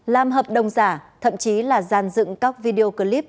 làm hợp đồng giả thậm chí là giàn dựng các video clip